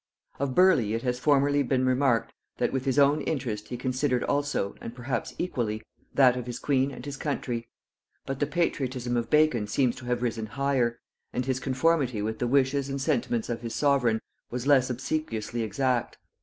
Of Burleigh it has formerly been remarked, that with his own interest he considered also, and perhaps equally, that of his queen and his country: but the patriotism of Bacon seems to have risen higher; and his conformity with the wishes and sentiments of his sovereign was less obsequiously exact.